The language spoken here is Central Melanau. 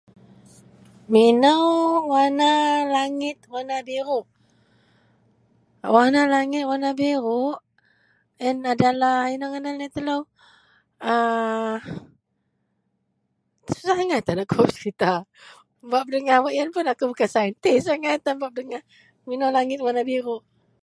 Minou werena langit werena biruk? Werena langit werena biruk yen adalah inou ngadan laei telou aa. Susah angai tan akou bak peserita. Bak pedengah wak yen pun akou bukan saintis angai tan bak pedengah minou langit werena biruk